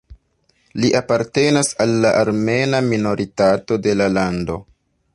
Li apartenas al la armena minoritato de la lando.